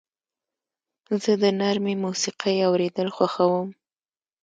زه د نرمې موسیقۍ اورېدل خوښوم.